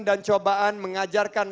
dan cobaan mengajarkan